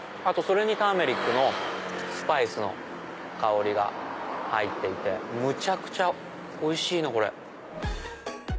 あとそれにターメリックのスパイスの香りが入っていてむちゃくちゃおいしいなこれ。